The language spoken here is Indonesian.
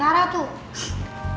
ya gue juga ngeliat